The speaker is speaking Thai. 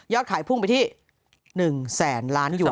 ยอดขายพุ่งไปที่๑แสนล้านหยวน